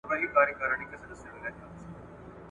په تیاره کي ټکهار سي پلټن راسي د ښکاریانو !.